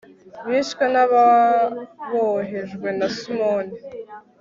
bishwe n'abohejwe na simoni